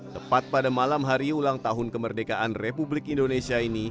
tepat pada malam hari ulang tahun kemerdekaan republik indonesia ini